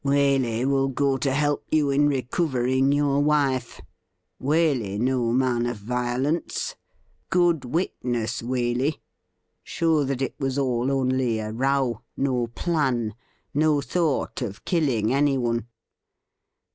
'Waley will go to help you in recovering your wife. Waley no man of violence. Good witness, Waley — show that it was all only a row — ^no plan — no thought of killing anyone.'